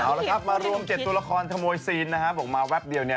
เอาละครับมารวม๗ตัวละครขโมยซีนนะฮะบอกมาแป๊บเดียวเนี่ย